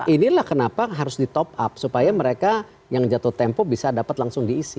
inilah kenapa harus di top up supaya mereka yang jatuh tempo bisa dapat langsung diisi